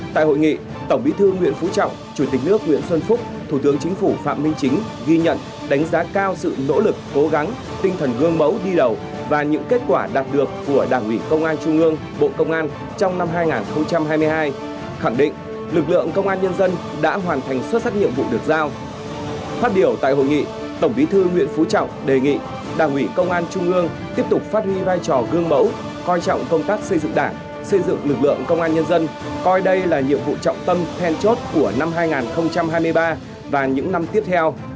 tại hội nghị tổng bí thư nguyễn phú trọng chủ tịch nước nguyễn xuân phúc thủ tịch nước nguyễn xuân phúc thủ tịch nước nguyễn xuân phúc thủ tịch nước nguyễn xuân phúc thủ tịch nước nguyễn xuân phúc đảng ủy công an trung ương tiếp tục phát huy vai trò gương mẫu coi trọng công tác xây dựng đảng xây dựng lực lượng công an nhân dân coi đây là nhiệm vụ trọng tâm then chốt của năm hai nghìn hai mươi ba và những năm tiếp theo